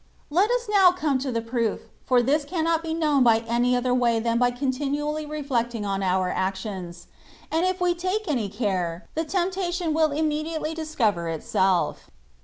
Let us now come to the proof, for this cannot be known in any other way than by continually re flecting on our actions ; and if we take any care, the temptation will immediately discover itself.